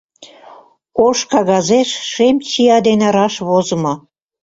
Ош кагазеш шем чия дене раш возымо: